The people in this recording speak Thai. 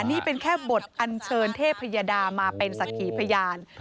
นี่เป็นแค่บทอันเชิญเทพยดามาเป็นสักขีพยาน